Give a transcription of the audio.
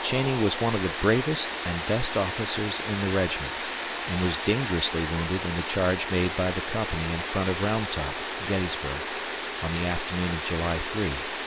Cheney was one of the bravest and best officers in the regiment, and was dangerously wounded in the charge made by the Company in front of Round Top (Gettysburg) on the afternoon of July 3, 1863.